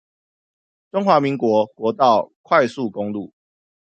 中華民國國道快速公路